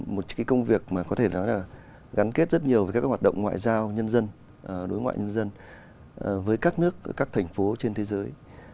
một công việc mà có thể nói là gắn kết rất nhiều với các hoạt động ngoại giao nhân dân đối ngoại nhân dân với các nước các thành phố trên thế giới